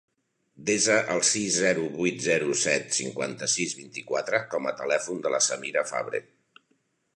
Desa el sis, zero, vuit, zero, set, cinquanta-sis, vint-i-quatre com a telèfon de la Samira Fabre.